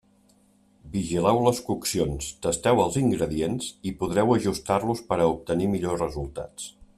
Vigileu les coccions, tasteu els ingredients i podreu ajustar-los per a obtenir millors resultats.